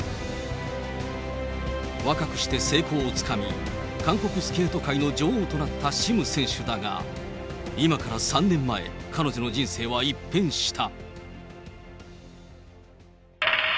若くして成功をつかみ、韓国スケート界の女王となったシム選手だが、今から３年前、彼女の人生は一変した。